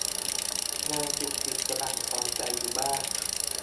งานจุกจิกจะบั่นทอนใจอยู่บ้าง